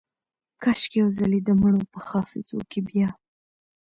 کاشکي یو ځلې دمڼو په حافظو کې بیا